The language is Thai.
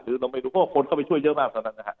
หรือเราไม่รู้ว่าคนเข้าไปช่วยเยอะมากตอนนั้น